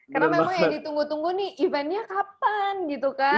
karena memang ya ditunggu tunggu nih eventnya kapan gitu kan